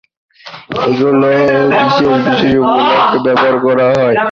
এগুলি বিশেষ বিশেষ উপলক্ষে ব্যবহার করা হয়।